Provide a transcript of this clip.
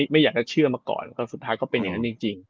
ไม่อยากจะเชื่อมาก่อนแล้วก็สุดท้ายก็เป็นอย่างนั้นจริง